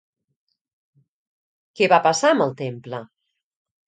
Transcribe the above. Què va passar amb el temple?